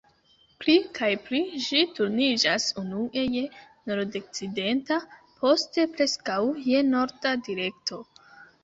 Pli kaj pli ĝi turniĝas unue je nordokcidenta, poste preskaŭ je norda direkto.